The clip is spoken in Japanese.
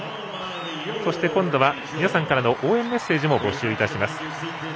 そして今度は皆さんからの応援メッセージも募集します。